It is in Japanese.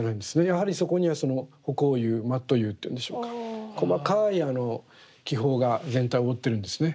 やはりそこには葆光釉マット釉というんでしょうか細かい気泡が全体を覆ってるんですね。